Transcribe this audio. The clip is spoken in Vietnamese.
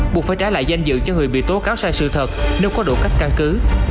buộc phải trả lại danh dự cho người bị tố cáo sai sự thật nếu có đủ các căn cứ